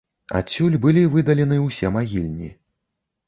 Адсюль былі выдалены ўсе магільні.